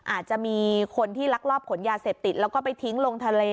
อาจจะมีคนที่ลักลอบขนยาเสพติดแล้วก็ไปทิ้งลงทะเล